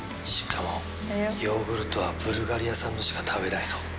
しかもヨーグルトはブルガリア産のしか食べないの。